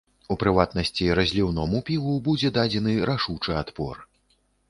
У прыватнасці, разліўному піву будзе дадзены рашучы адпор.